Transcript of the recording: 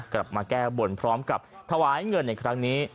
กลับมาแก้บนพร้อมกับถวายเงินในครั้งนี้